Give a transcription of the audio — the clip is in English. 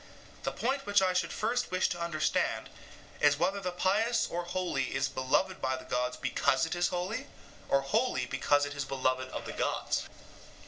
The point which I should first wish to understand is whether the pious or holy is beloved by the gods because it is holy, or holy because it is beloved of the gods.